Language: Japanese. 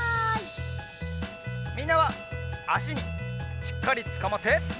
みんなはあしにしっかりつかまって！